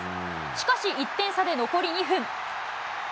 しかし、１点差で、残り２分。